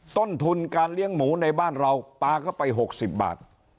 ต้นทุนการเลี้ยงหมูในบ้านเราปลาเข้าไป๖๐บาท